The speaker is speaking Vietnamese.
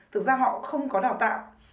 thực ra họ không có đào tạo